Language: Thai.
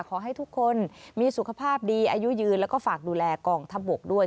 ขอให้ทุกคนมีสุขภาพดีอายุยืนแล้วก็ฝากดูแลกองทัพบกด้วย